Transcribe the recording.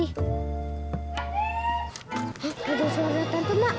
hai ada suara tante mak